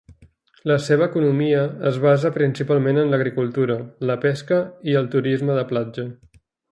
La seva economia es basa principalment en l'agricultura, la pesca i el turisme de platja.